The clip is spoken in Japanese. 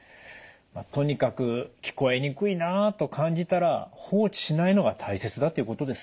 とにかく聞こえにくいなと感じたら放置しないのが大切だということですね。